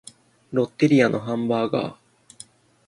ロッテリアのハンバーガー